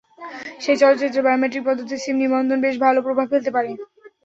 সেই চলচ্চিত্রেও বায়োমেট্রিক পদ্ধতির সিম নিবন্ধন বেশ ভালো প্রভাব ফেলতে পারে।